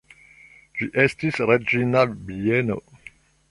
Ĝi estis reĝina bieno.